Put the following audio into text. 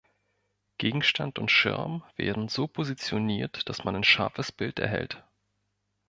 Gegenstand und Schirm werden so positioniert, dass man ein scharfes Bild erhält.